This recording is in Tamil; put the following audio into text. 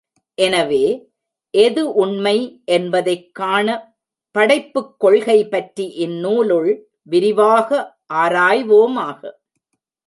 எனவே, எது உண்மை என்பதைக் காணப் படைப்புக் கொள்கை பற்றி இந்நூலுள் விரிவாக ஆராய்வோமாக!